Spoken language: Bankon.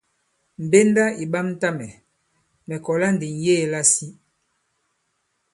Mbenda ì ɓamta mɛ̀, mɛ̀ kɔ̀la ndi ŋ̀yeē lasi.